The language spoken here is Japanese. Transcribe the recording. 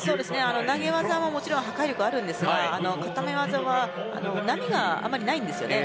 投げ技ももちろん破壊力がありますが固め技は波があまりないんですよね。